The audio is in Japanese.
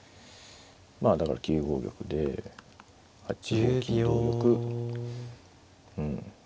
まあだから９五玉で８五金同玉うん。